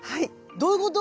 どういうこと？